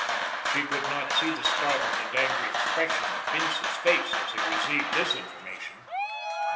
She could not see the startled and angry expression of Bince's face as he received this information.